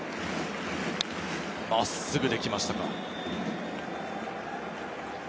真っすぐできました。